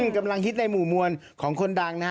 กำลังฮิตในหมู่มวลของคนดังนะฮะ